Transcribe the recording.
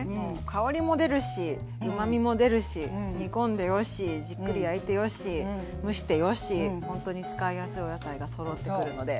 香りも出るしうまみも出るし煮込んでよしじっくり焼いてよし蒸してよしほんとに使いやすいお野菜がそろってくるので。